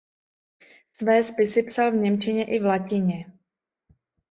Své spisy psal v němčině i v latině.